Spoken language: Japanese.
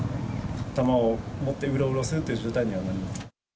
弾を持ってうろうろするという状態ではない。